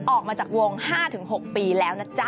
ออกมาจากวง๕๖ปีแล้วนะจ๊ะ